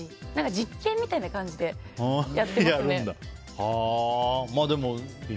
実験みたいな感じでやってますね。